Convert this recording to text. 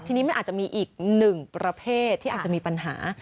ทีนี้มันอาจจะมีอีกหนึ่งประเภทที่อาจจะมีปัญหา